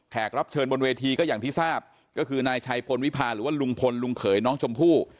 กรับเชิญบนเวทีก็อย่างที่ทราบก็คือนายชัยพลวิพาหรือว่าลุงพลลุงเขยน้องชมพู่